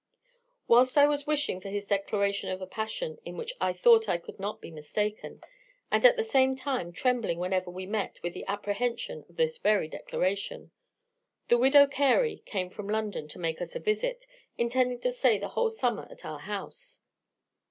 "Whilst I was wishing for his declaration of a passion in which I thought I could not be mistaken, and at the same time trembling whenever we met with the apprehension of this very declaration, the widow Carey came from London to make us a visit, intending to stay the whole summer at our house.